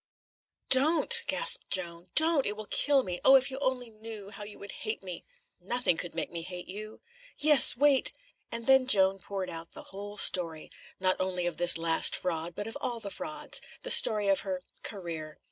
"Don't!" gasped Joan. "Don't! it will kill me. Oh, if you only knew, how you would hate me!" "Nothing could make me hate you." "Yes. Wait!" And then Joan poured out the whole story not only of this last fraud, but of all the frauds; the story of her "career."